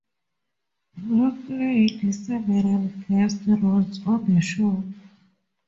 Buller played several guest roles on the show.